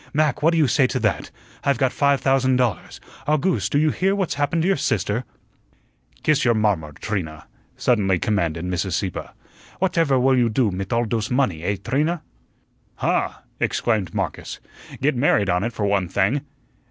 Mac, what do you say to that? I've got five thousand dollars. August, do you hear what's happened to sister?" "Kiss your mommer, Trina," suddenly commanded Mrs. Sieppe. "What efer will you do mit all dose money, eh, Trina?" "Huh!" exclaimed Marcus. "Get married on it for one thing."